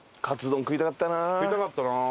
食いたかったな。